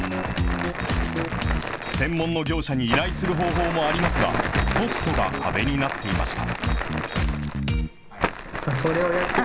専門の業者に依頼する方法もありますが、コストが壁になっていました。